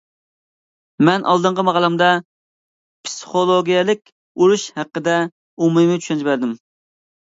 مەن ئالدىنقى ماقالەمدە پىسخولوگىيەلىك ئۇرۇش ھەققىدە ئومۇمىي چۈشەنچە بەردىم.